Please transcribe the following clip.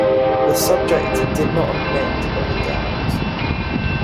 The subject did not admit of a doubt.